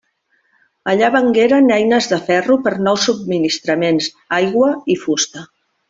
Allà vengueren eines de ferro per nous subministraments, aigua i fusta.